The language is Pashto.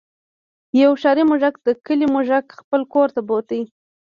یو ښاري موږک د کلي موږک خپل کور ته بوت.